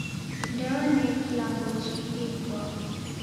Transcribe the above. Ndeone kilambo chingi ikwau